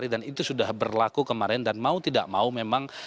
dan itu sudah berlaku kemarin dan mau tidak mau memang